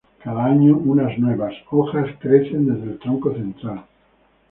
Cada año unos nuevos hojas crecen desde el tronco central.